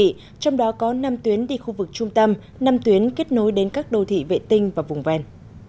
trong đó có năm tuyến đi khu vực trung tâm năm tuyến kết nối đến các đô thị vệ tinh và vùng ven